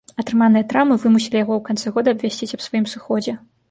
Атрыманыя траўмы вымусілі яго ў канцы года абвясціць аб сваім сыходзе.